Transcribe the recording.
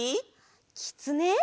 きつね！